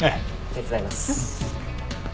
手伝います。